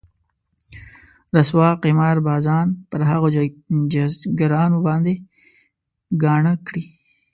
رسوا قمار بازان پر هغو جيزګرانو باندې ګاڼه کړي.